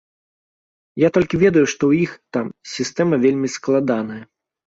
Я толькі ведаю, што ў іх там сістэма вельмі складаная.